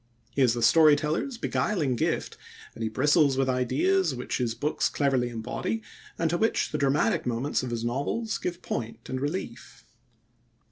He has the story teller's beguiling gift, and he bristles with ideas which his books cleverly embody and to which the dramatic moments of his novels give point and relief.